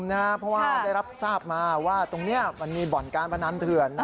เพราะว่าได้รับทราบมาว่าตรงนี้มันมีบ่อนการพนันเถื่อน